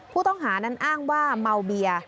ผู้ต้องหานั้นอ้างว่าเมาเบียร์